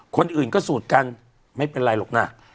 คนอื่นก็สูดกันไม่เป็นไรหรอกนะ